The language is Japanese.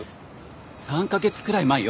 ３カ月くらい前よ。